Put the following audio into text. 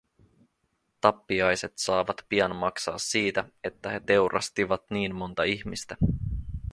Tappiaiset saavat pian maksaa siitä, että he teurastivat niin monta ihmistä.